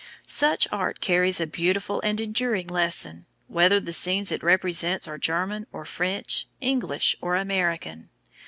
Such art carries a beautiful and enduring lesson, whether the scenes it represents are German or French, English or American.